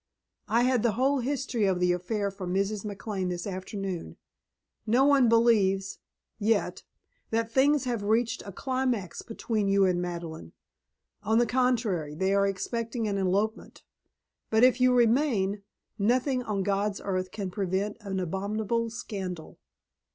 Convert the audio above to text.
I had the whole history of the affair from Mrs. McLane this afternoon. No one believes yet that things have reached a climax between you and Madeleine. On the contrary, they are expecting an elopement. But if you remain, nothing on God's earth can prevent an abominable scandal.